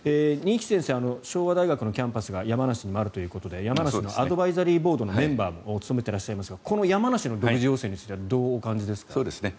二木先生、昭和大学のキャンパスが山梨にもあるということで山梨のアドバイザリーボードのメンバーも務めていらっしゃいますがこの山梨の独自要請についてはどうお感じですか？